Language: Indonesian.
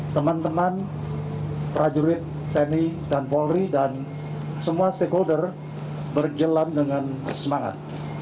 teman teman prajurit tni dan polri dan semua stakeholder berjalan dengan semangat